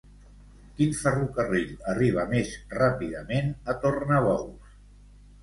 Quin ferrocarril arriba més ràpidament a Tornabous?